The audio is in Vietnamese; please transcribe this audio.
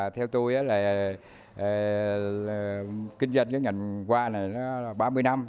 theo tôi kinh doanh với nhành hoa này là ba mươi năm